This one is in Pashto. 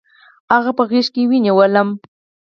هغه په غېږ کې ونیولم.